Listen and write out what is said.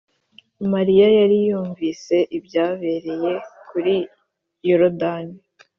. Mariya yari yarumvise ibyabereye kuri Yorodani